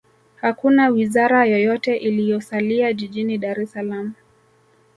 hakuna wizara yoyote iliyosalia jijini dar es salaam